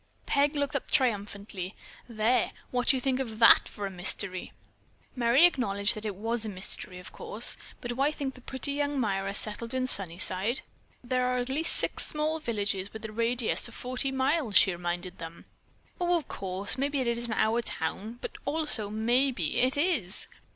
'" Peg looked up triumphantly. "There! What do you think of that for a mystery?" Merry acknowledged that it was a mystery, of course, but why think the pretty young Myra settled in Sunnyside? "There are at least six small villages within a radius of forty miles," she reminded them. "Oh, of course, maybe it isn't our town, but, also, maybe it is."